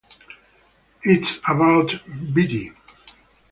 It's about Beattie.